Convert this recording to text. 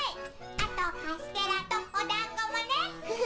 あとカステラとおだんごもね。